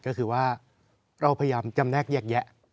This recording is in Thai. ก็คือว่าเราพยายามจำแนกแยกแยะ